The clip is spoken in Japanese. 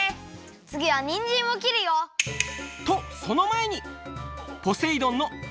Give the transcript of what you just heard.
つぎはにんじんをきるよ。とそのまえに！